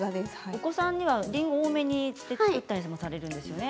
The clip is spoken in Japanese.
お子さんにはりんごを多めで作ったりもされるんですよね。